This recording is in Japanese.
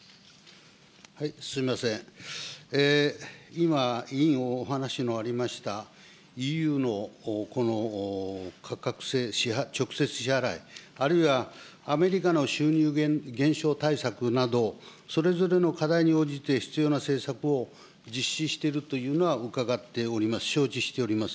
今、委員お話にもありました、ＥＵのこの価格直接支払い、あるいはアメリカの収入減少対策など、それぞれの課題に応じて、必要な政策を実施しているというのはうかがっております、承知しております。